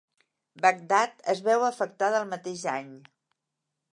Bagdad es veu afectada el mateix any.